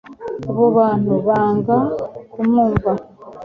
abo bantu banga kumwumva